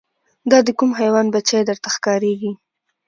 دا د کوم حیوان بچی درته ښکاریږي